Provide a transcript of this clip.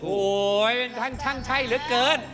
โอ้โหทั้งใช่หรือเกิน